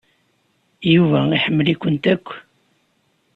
Yuba iḥemmel-ikent akk.